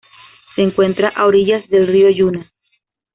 Se encuentra a orillas del río Yuna.